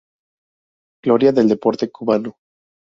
Gloria del deporte cubano.